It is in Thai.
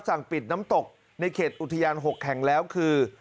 สั่งปิดน้ำตกในเขตอุทยาน๖แห่งแล้วคือ